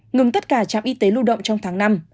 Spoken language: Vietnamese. ngừng tất cả trạm y tế lưu động trong tháng năm